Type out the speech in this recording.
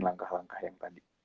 langkah langkah yang tadi